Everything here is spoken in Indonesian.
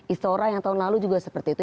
istora yang tahun lalu juga seperti itu